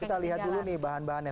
kita lihat dulu nih bahan bahannya